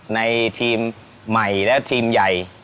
ในทีมใหม่และทีมใหญ่